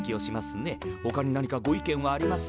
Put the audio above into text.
ほかに何かご意見はありますか？